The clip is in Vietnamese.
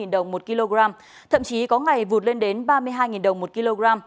ba mươi đồng một kg thậm chí có ngày vụt lên đến ba mươi hai đồng một kg